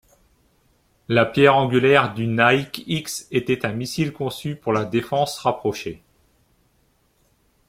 La pierre angulaire du Nike-X était un missile conçu pour la défense rapprochée.